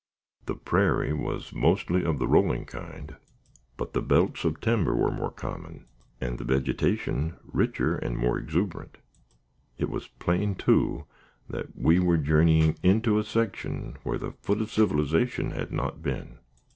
The prairie was mostly of the rolling kind, but the belts of timber were more common, and the vegetation richer and more exuberant. It was plain, too, that we were journeying into a section where the foot of civilization had not been.